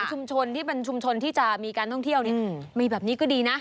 ชุมชนที่เป็นชุมชนที่จะมีการท่องเที่ยวมีแบบนี้ก็ดีนะ